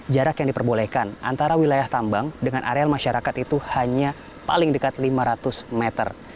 jarak yang diperbolehkan antara wilayah tambang dengan areal masyarakat itu hanya paling dekat lima ratus meter